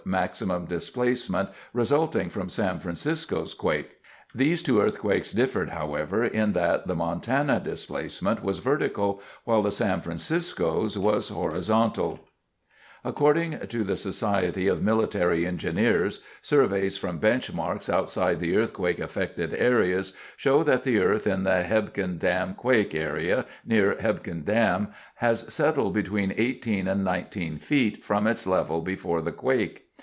maximum displacement resulting from San Francisco's quake. (These two earthquakes differed, however, in that the Montana displacement was vertical, while San Francisco's was horizontal.) [Illustration: BEFORE] [Illustration: AFTER] According to the Society of Military Engineers, surveys from benchmarks outside the earthquake affected areas show that the earth in the Hebgen Dam Quake area near Hebgen Dam has settled between eighteen and nineteen feet from its level before the quake.